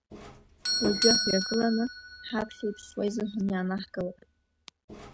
Уажәы ҳҩагыланы, ҳаԥхьа иԥсуа изыҳәан иаанаҳкылап!